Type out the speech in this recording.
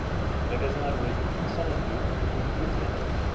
Magasin à louer, cent vingt-deux, rue Brûle-Maison.